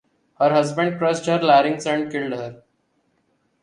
Her husband crushed her larynx and killed her.